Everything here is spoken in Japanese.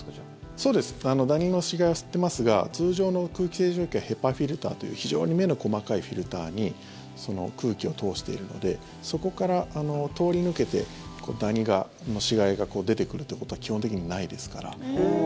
ダニの死骸は吸っていますが通常の空気清浄機はＨＥＰＡフィルターという非常に目の細かいフィルターに空気を通しているのでそこから通り抜けてダニの死骸が出てくるということは基本的にないですから。